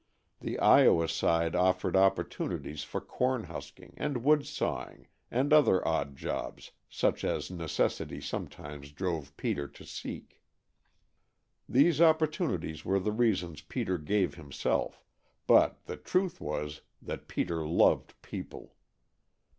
The Iowa side offered opportunities for corn husking and wood sawing and other odd jobs such as necessity sometimes drove Peter to seek. These opportunities were the reasons Peter gave himself, but the truth was that Peter loved people.